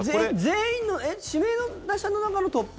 全員の指名打者の中のトップ？